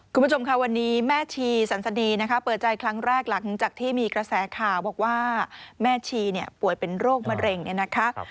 คุณผู้ชมค่ะวันนี้แม่ชีสันสดีนะคะเปิดใจครั้งแรกหลังจากที่มีกระแสข่าวบอกว่าแม่ชีเนี่ยป่วยเป็นโรคมะเร็งเนี่ยนะคะ